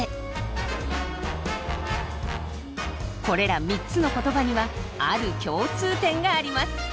これら３つの言葉にはある共通点があります。